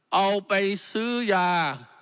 เอาไปซื้อยา